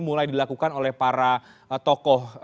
mulai dilakukan oleh para tokoh